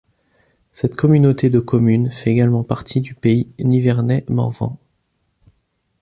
Cette communauté de communes fait également partie du Pays Nivernais-Morvan.